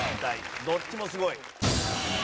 どっちもすごい。